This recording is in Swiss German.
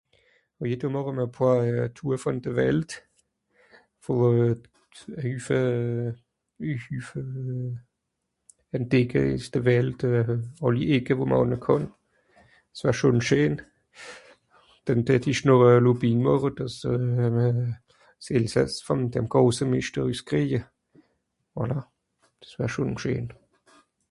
Mìt dem màche mr e poàr Tour vùn de Welt, fer Hüffe... Hüffe... entdecke üss de Welt, àlli Ecke wo mr ànne kànn. S'war schon scheen. Denn dätt ìch noh Lobbying màche dàss euh... s'Elsàss vùn dem grose Mìscht rüskréje. Voilà, s'wär schon scheen.